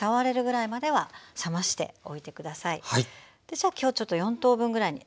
じゃあ今日ちょっと４等分ぐらいに。